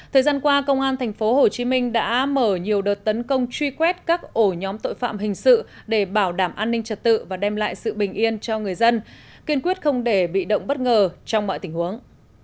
thời gian qua công an tp hcm đã mở nhiều đợt tấn công truy quét các ổ nhóm tội phạm hình sự để bảo đảm an ninh trật tự và đem lại sự bình yên cho người dân kiên quyết không để bị động bất ngờ trong mọi tình huống